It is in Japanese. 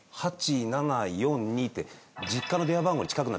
８７４２って実家の電話番号に近く